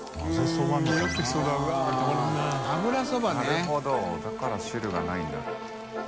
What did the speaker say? なるほどだから汁がないんだ。